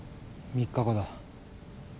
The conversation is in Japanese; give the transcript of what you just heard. ３日後だ。